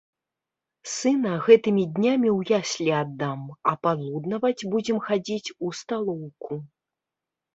Сына гэтымі днямі ў яслі аддам, а палуднаваць будзем хадзіць у сталоўку.